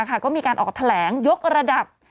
ก็มีการออกแถลงยกระดับ